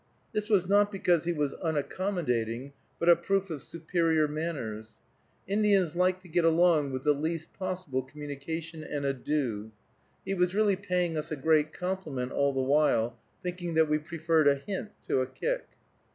This was not because he was unaccommodating, but a proof of superior manners. Indians like to get along with the least possible communication and ado. He was really paying us a great compliment all the while, thinking that we preferred a hint to a kick.